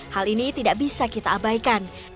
hal ini tidak bisa kita abaikan